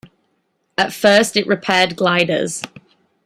At first it repaired gliders.